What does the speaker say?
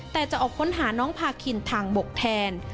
แต่จะออกค้นหาน้องพาคินทางบกแทน